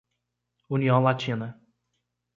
União Latina